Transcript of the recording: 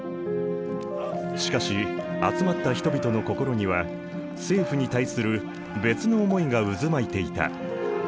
しかし集まった人々の心には政府に対する別の思いが渦巻いていた。